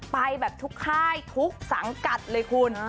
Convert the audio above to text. ไปแบบทุกค่ายทุกสังกัดเลยคุณ